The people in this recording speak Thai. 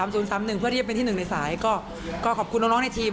เพื่อที่จะเป็นที่หนึ่งในสายก็ขอบคุณน้องในทีม